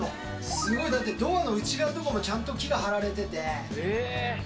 すごいだって、ドアの内側とかちゃんと木が貼られてて。